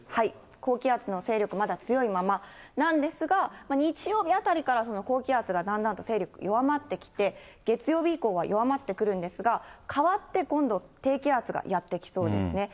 高気圧の勢力、まだ強いままなんですが、日曜日あたりから高気圧がだんだんと勢力弱まってきて、月曜日以降は弱まってくるんですが、代わって、今度低気圧がやって来そうですね。